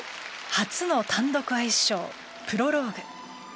初の単独アイスショー『プロローグ』。